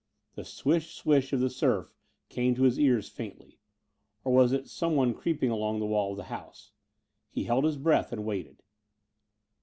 The swish swish of the surf came to his ears faintly. Or was it someone creeping along the wall of the house? He held his breath and waited.